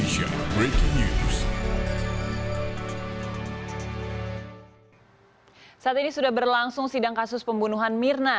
saat ini sudah berlangsung sidang kasus pembunuhan mirna